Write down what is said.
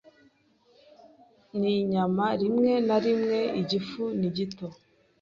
n’inyama rimwe na rimwe. Igifu ni gito,